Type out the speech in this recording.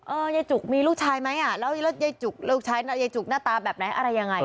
เอิสเย้จุกมีลูกชายไหมแล้วเย้จุกหน้าตาแบบไหนอะไรยังไง